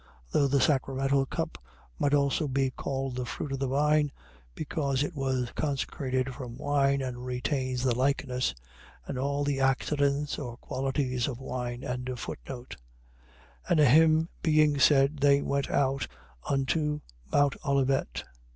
Though the sacramental cup might also be called the fruit of the vine, because it was consecrated from wine, and retains the likeness, and all the accidents or qualities of wine. 26:30. And a hymn being said, they went out unto mount Olivet.